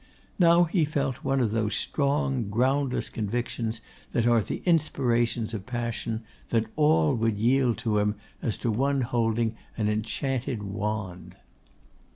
Now he felt one of those strong groundless convictions that are the inspirations of passion, that all would yield to him as to one holding an enchanted wand.